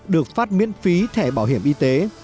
được phát miễn phí thẻ bảo hiểm y tế